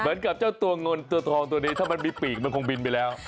เหมือนกับเจ้าตัวง่นตัวตรองตัวนี้ถ้ามันมีปีกมันคงบินไปแล้ว